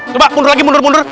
coba mundur lagi mundur mundur